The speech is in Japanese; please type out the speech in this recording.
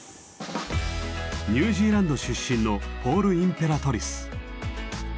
ニュージーランド出身のポール・インペラトリス。